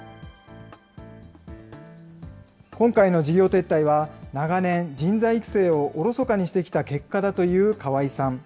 今回の事業撤退は長年、人材育成をおろそかにしてきた結果だという川井さん。